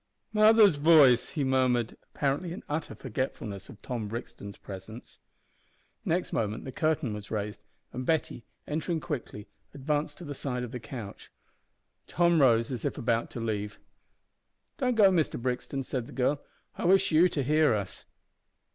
"Mother's voice!" he murmured, apparently in utter forgetfulness of Tom Brixton's presence. Next moment the curtain was raised, and Betty, entering quickly, advanced to the side of the couch. Tom rose, as if about to leave. "Don't go, Mr Brixton," said the girl, "I wish you to hear us."